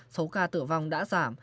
số ca tử vong đã giảm